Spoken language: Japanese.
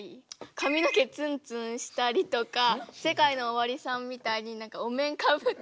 髪の毛ツンツンしたりとかＳＥＫＡＩＮＯＯＷＡＲＩさんみたいにお面かぶったりとか。